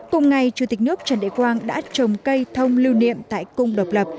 cùng ngày chủ tịch nước trần đại quang đã trồng cây thông lưu niệm tại cung độc lập